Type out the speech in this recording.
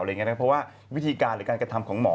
เพราะว่าวิธีการหรือการกระทำของหมอ